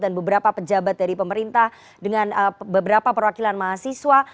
beberapa pejabat dari pemerintah dengan beberapa perwakilan mahasiswa